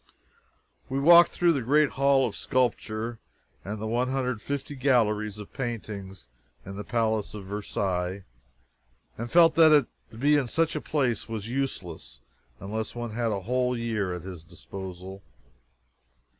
We walked through the great hall of sculpture and the one hundred and fifty galleries of paintings in the palace of Versailles, and felt that to be in such a place was useless unless one had a whole year at his disposal.